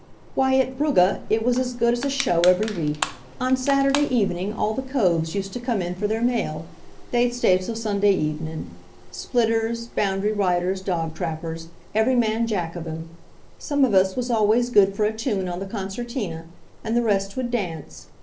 "Why, at Brugga it was as good as a show every week. On Saturday evening all the coves used to come in for their mail. They'd stay till Sunday evenin'. Splitters, boundary riders, dogtrappers every manjack of 'em. Some of us wuz always good fer a toon on the concertina, and the rest would dance.